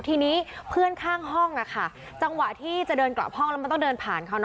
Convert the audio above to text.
ทีนี้เพื่อนข้างห้องจังหวะที่จะเดินกลับห้องแล้วมันต้องเดินผ่านเขานะ